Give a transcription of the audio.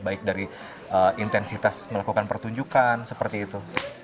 baik dari intensitas melakukan pertunjukan seperti itu